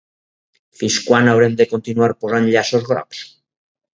Fins quan haurem de continuar posant llaços grocs?